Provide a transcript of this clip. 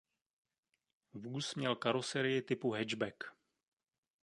Vůz měl karoserii typu hatchback.